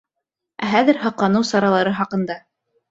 Ә хәҙер һаҡланыу саралары хаҡында...